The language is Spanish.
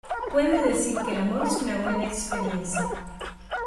Puedes decir que el amor es una buena experiencia.